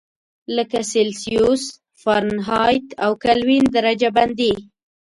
لکه سلسیوس، فارنهایت او کلوین درجه بندي.